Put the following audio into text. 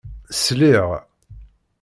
Sliɣ.